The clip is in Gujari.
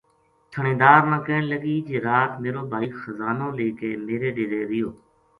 تھہانیدار نا کہن لگی جی رات میرو بھائی خزانو لے کے میرے ڈیرے رہیو